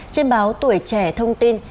trên báo tuổi trẻ thông tin